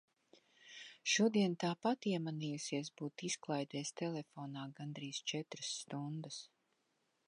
Šodien tāpat iemanījusies būt izklaidēs telefonā gandrīz četras stundas...